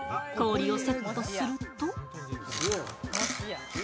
氷をセットすると。